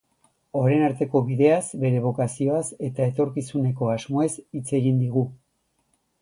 Orain arteko bideaz, bere bokazioaz, eta etorkizuneko asmoez hitz egin digu.